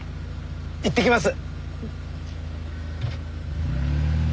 行ってきます。